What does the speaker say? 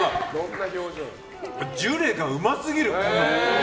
ジュレがうますぎる。